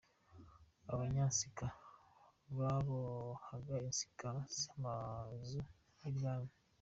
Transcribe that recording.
Abanyansika :Babohaga insika z’amazu y’ i Bwami.